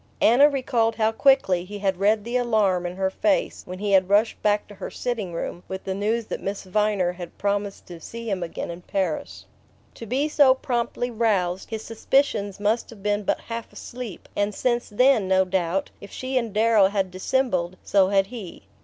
Anna recalled how quickly he had read the alarm in her face when he had rushed back to her sitting room with the news that Miss Viner had promised to see him again in Paris. To be so promptly roused, his suspicions must have been but half asleep; and since then, no doubt, if she and Darrow had dissembled, so had he.